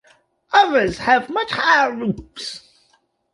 Others have much higher roofs.